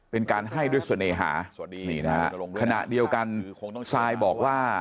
ทะนายโลสนาลงบอกว่า